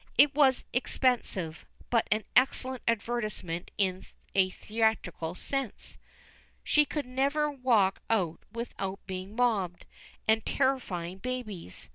It was expensive, but an excellent advertisement in a theatrical sense. She could never walk out without being mobbed, and terrifying babies.